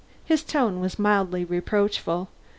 His tone was mildly reproachful.